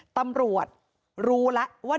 ตำรวจรู้ละว่า